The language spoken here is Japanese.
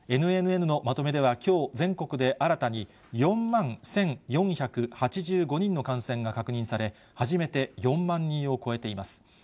ＮＮＮのまとめでは、きょう全国で新たに４万１４８５人の感染が確認され、初めて４万人を超えています。